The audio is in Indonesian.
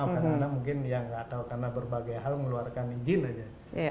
kadang kadang mungkin ya nggak tahu karena berbagai hal ngeluarkan izin aja